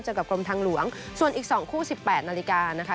กับกรมทางหลวงส่วนอีก๒คู่๑๘นาฬิกานะคะ